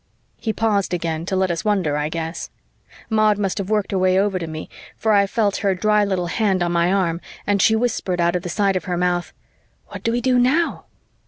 He paused again, to let us wonder, I guess. Maud must have worked her way over to me, for I felt her dry little hand on my arm and she whispered out of the side of her mouth, "What do we do now?"